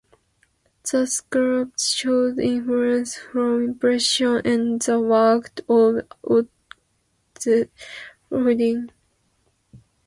The sculpture shows influence from Impressionism and the work of Auguste Rodin.